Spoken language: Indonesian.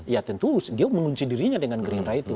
ya tentu dia mengunci dirinya dengan gerindra itu